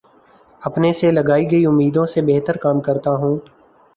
اپنے سے لگائی گئی امیدوں سے بہترکام کرتا ہوں